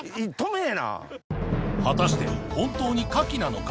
果たして本当にカキなのか？